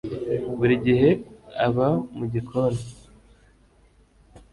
buri gihe aba mu gikoni